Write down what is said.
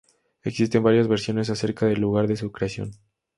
Existen varias versiones acerca del lugar de su creación.